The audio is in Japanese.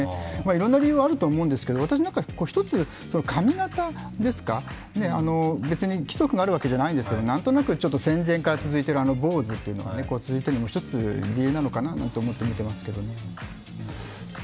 いろんな理由があると思うんですけど、私なんか一つ、髪形ですか、別に規則があるわけじゃないんですがなんとなく戦前から続いてるあの坊主というのが続いているのも理由なのかなと思って見ていますけどね。